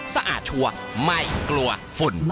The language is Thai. สะอาดชัวร์ไม่กลัวฝุ่น